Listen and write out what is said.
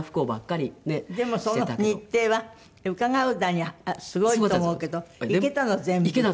でもその日程は伺うだにすごいと思うけど行けたの？